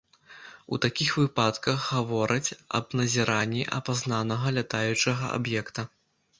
У такіх выпадках гавораць аб назіранні апазнанага лятаючага аб'екта.